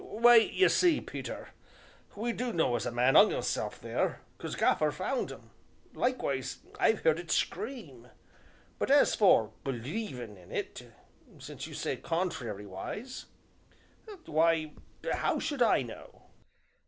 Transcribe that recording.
"Why, y' see, Peter, we do know as a man 'ung 'isself theer, 'cause Gaffer found un likewise I've heerd it scream but as for believin' in it, since you say contrarywise why, 'ow should I know?"